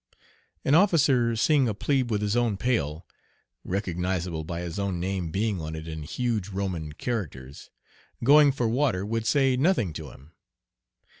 An officer seeing a plebe with his own pail recognizable by his own name being on it in huge Roman characters going for water would say nothing to him.